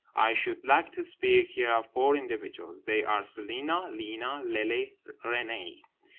I should like to speak here of four individuals. They are Celina, Lena, Lily, Renée.